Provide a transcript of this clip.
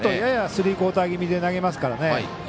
ややスリークオーター気味で投げますからね。